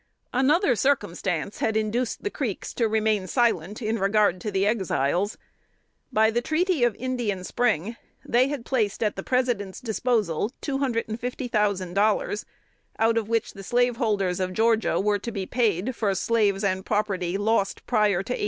Another circumstance had induced the Creeks to remain silent in regard to the Exiles. By the treaty of Indian Spring, they had placed at the President's disposal $250,000, out of which the slaveholders of Georgia were to be paid for slaves and property lost prior to 1802.